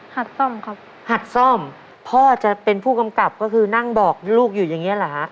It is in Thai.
ซ่อมครับหัดซ่อมพ่อจะเป็นผู้กำกับก็คือนั่งบอกลูกอยู่อย่างเงี้เหรอฮะ